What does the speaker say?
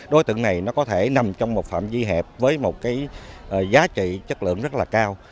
đối tượng này nó có thể nằm trong một phạm vi hẹp với một cái giá trị chất lượng rất là cao